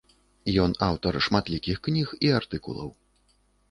Ён аўтар шматлікіх кніг і артыкулаў.